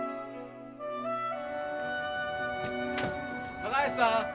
高橋さん！